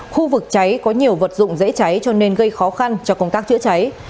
khu vực cháy có nhiều vật dụng dễ cháy cho nên gây khó khăn cho công tác chữa cháy